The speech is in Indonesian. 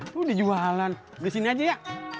lo di jualan beli sini aja ya